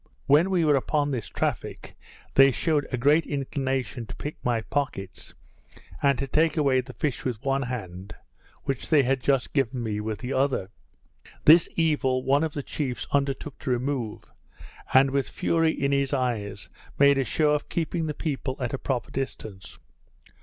When we were upon this traffic, they shewed a great inclination to pick my pockets, and to take away the fish with one hand, which they had just given me with the other. This evil one of the chiefs undertook to remove, and with fury in his eyes made a shew of keeping the people at a proper distance.